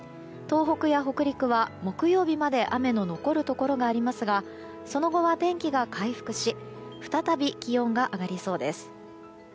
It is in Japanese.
東北や北陸は木曜日まで雨の残るところがありますがその後は天気が回復し再び気温が上がりそうです。